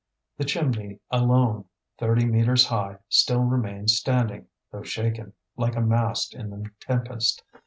The chimney alone, thirty metres high, still remained standing, though shaken, like a mast in the tempest.